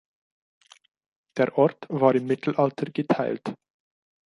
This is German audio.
Der Ort war im Mittelalter geteilt.